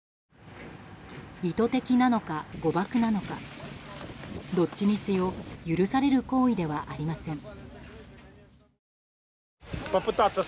意図的なのか誤爆なのかどっちにせよ許される行為ではありません。